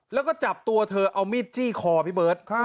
แล้วก็จับตัวเธอเอามีดจี้คอพี่เบิร์ต